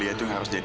ya ampun pak